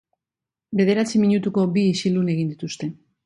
Bederatzi minutuko bi isilune egin dituzte.